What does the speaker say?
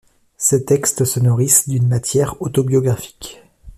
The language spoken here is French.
Ses textes se nourrissent d'une matière autobiographique.